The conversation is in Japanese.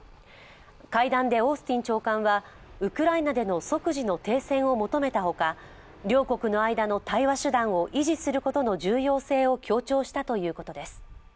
会談でオースティン長官はウクライナでの即時の停戦を求めたほか両国の間の対話手段を維持することの重要性を強調したということです。